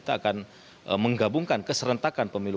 saya kira kalau saya melihat apa yang dihasilkan oleh komisi dua